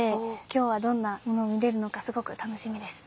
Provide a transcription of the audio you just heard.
今日はどんなものを見れるのかすごく楽しみです。